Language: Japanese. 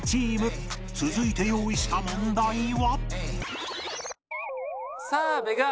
続いて用意した問題は